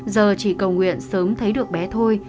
giờ chỉ cầu nguyện sớm thấy được bé thôi